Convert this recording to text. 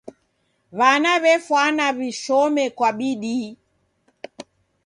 W'ana w'efwana w'ishome kwa bidii.